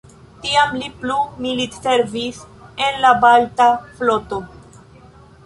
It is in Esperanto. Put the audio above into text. Tiam li plu militservis en la Balta floto.